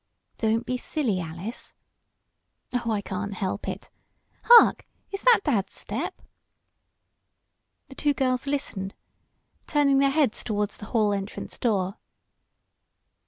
"Don't be silly, Alice!" "Oh, I can't help it. Hark, is that dad's step?" The two girls listened, turning their heads toward the hall entrance door.